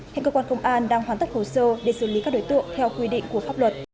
hiện cơ quan công an đang hoàn tất hồ sơ để xử lý các đối tượng theo quy định của pháp luật